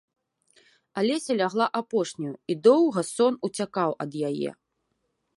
Алеся лягла апошняю, і доўга сон уцякаў ад яе.